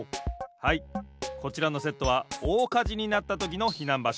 はいこちらのセットはおおかじになったときの避難場所。